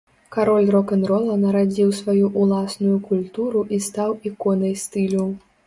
Кароль рок-н-рола нарадзіў сваю ўласную культуру і стаў іконай стылю.